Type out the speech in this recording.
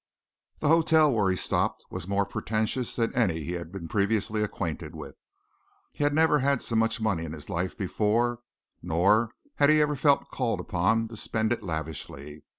The hotel where he stopped was more pretentious than any he had been previously acquainted with. He had never had so much money in his life before, nor had he ever felt called upon to spend it lavishly.